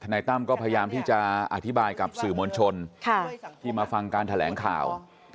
นายตั้มก็พยายามที่จะอธิบายกับสื่อมวลชนที่มาฟังการแถลงข่าว